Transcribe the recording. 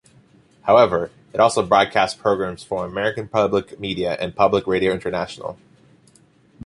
However, it also broadcasts programs from American Public Media and Public Radio International.